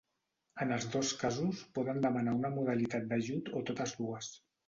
En els dos casos poden demanar una modalitat d'ajut o totes dues.